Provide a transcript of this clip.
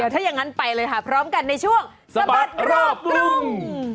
ถ้าอย่างนั้นไปเลยค่ะพร้อมกันในช่วงสะบัดรอบกรุง